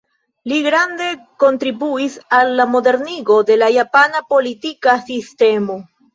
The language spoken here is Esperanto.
Li grande kontribuis al la modenigo de la japana politika sistemo.